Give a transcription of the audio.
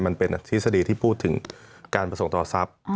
มันเป็นอธิษฎีที่พูดถึงการประสงค์ต่อทรัพย์